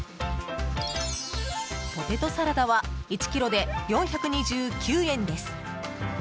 ポテトサラダは１ｋｇで４２９円です。